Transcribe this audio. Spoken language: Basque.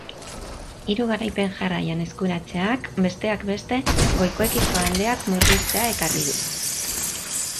Hiru garaipen jarraian eskuratzeak, besteak beste, goikoekiko aldeak murriztea ekarri du.